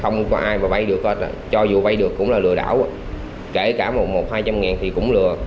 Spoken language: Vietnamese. không có ai mà vay được cho dù vay được cũng là lừa đảo kể cả một hai trăm linh thì cũng lừa